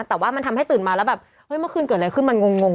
แต่ว่ามันทำให้ตื่นมาแล้วแบบเฮ้ยเมื่อคืนเกิดอะไรขึ้นมันงง